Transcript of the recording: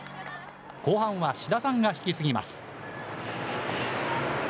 後半は志田さんが引き継ぎます。